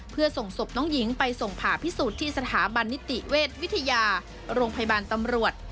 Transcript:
เพื่อส่งศพน้องหญิงไปส่งผ่าพิสูจน์ที่สถาบันนิติเวชวิทยาโรงพยาบาลตำรวจ